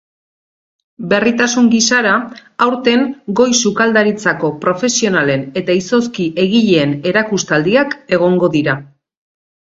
Berritasun gisara aurten goi-sukaldaritzako profesionalen eta izozki-egileen erakustaldiak egongo dira.